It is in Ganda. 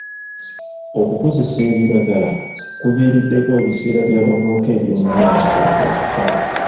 Okukozesa ebiragala kuviiriddeko ebiseera by'abavubuka eby'omu maaso okufa.